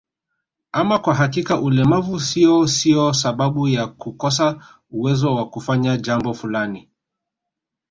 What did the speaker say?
Ama kwa hakika ulemavu sio sio sababu ya kukosa uwezo wa kufanya jambo fulani